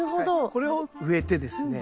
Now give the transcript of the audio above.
これを植えてですね